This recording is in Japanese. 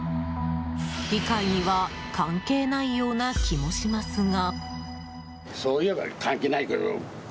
議会には関係ないような気もしますが。